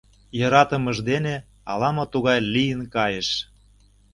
Йӧратымыж дене ала-мо тугай лийын кайыш.